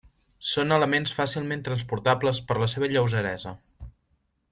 Són elements fàcilment transportables per la seva lleugeresa.